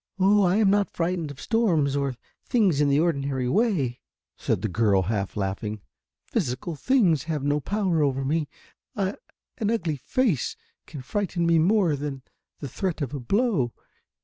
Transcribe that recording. "Oh, I am not frightened of storms or things in the ordinary way," said the girl half laughing. "Physical things have no power over me, an ugly face can frighten me more than the threat of a blow.